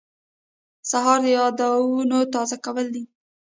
سهار د یادونو تازه کول دي.